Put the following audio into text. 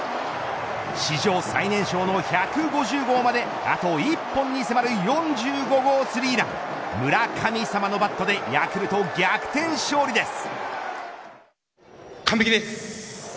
史上最年少の１５０号まであと１本に迫る４５号３ラン村神様のバットでヤクルト逆転勝利です。